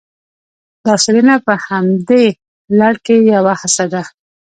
دا څېړنه په همدې لړ کې یوه هڅه ده